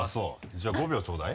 じゃあ５秒ちょうだい。